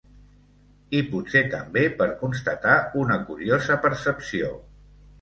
I potser també per constatar una curiosa percepció.